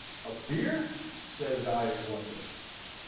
"A Beer?" says I in wonder.